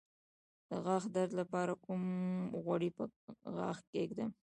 د غاښ درد لپاره کوم غوړي په غاښ کیږدم؟